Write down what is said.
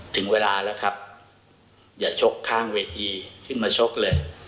ถึงเวลาแล้วครับอย่าชกข้างเวทีขึ้นมาชกเลย